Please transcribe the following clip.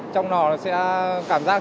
trong nò nó sẽ cảm giác rất là khác biệt